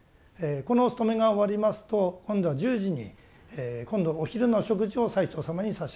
このお勤めが終わりますと今度は１０時に今度お昼の食事を最澄様に差し上げます。